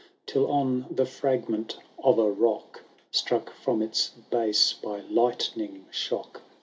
Canto F, Till on the ftagment of a rock. Struck from its Vase hj lightning shock.